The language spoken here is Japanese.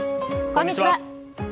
こんにちは。